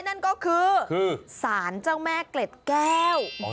นั่นก็คือสารเจ้าแม่เกล็ดแก้ว